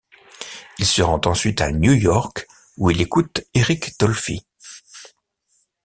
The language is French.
Il se rend ensuite à New York où il écoute Eric Dolphy.